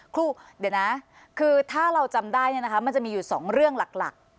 ครูเดี๋ยวนะคือถ้าเราจำได้เนี่ยนะคะมันจะมีอยู่สองเรื่องหลักหลัก